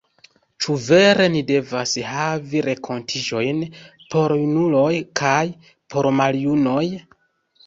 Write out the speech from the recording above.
Ĉu vere ni devas havi renkontiĝojn por junuloj kaj por maljunuloj?